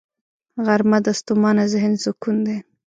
غرمه د ستومانه ذهن سکون دی